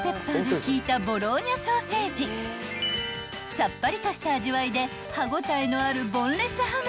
［さっぱりとした味わいで歯応えのある］